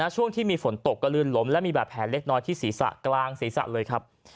ช่วงที่มีฝนตกก็ลื่นล้มและมีบาดแผลเล็กน้อยที่ศีรษะกลางศีรษะเลยครับ